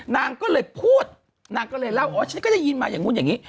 นางก็เลยพูดนางก็เลยเล่าอ๋อฉันก็ได้ยินมาอย่างนู้นอย่างนี้